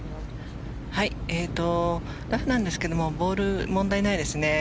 ラフなんですけどもボール問題ないですね。